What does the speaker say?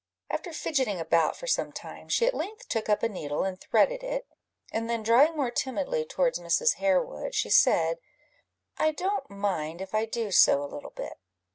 After fidgeting about for some time, she at length took up a needle and threaded it, and then drawing more timidly towards Mrs. Harewood, she said "I don't mind if I do sew a little bit."